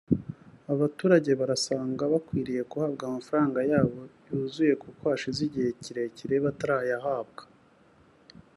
abaturage barasanga bakwiriye guhabwa amafaranga yabo yuzuye kuko hashize igihe kirekire batarayahabwa